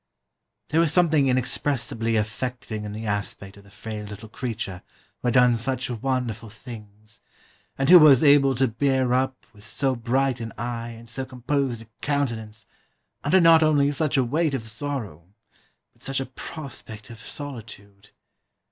] "There was something inexpressibly affecting in the aspect of the frail little creature who had done such wonderful things, and who was able to bear up, with so bright an eye and so composed a countenance, under not only such a weight of sorrow, but such a prospect of solitude.